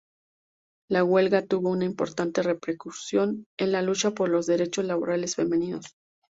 La huelga tuvo una importante repercusión en la lucha por los derechos laborales femeninos.